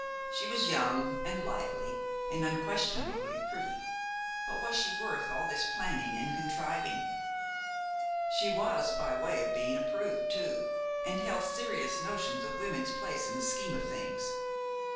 She was young, and lively, and unquestionably pretty; but was she worth all this planning and contriving? She was by way of being a prude too, and held serious notions of women's place in the scheme of things.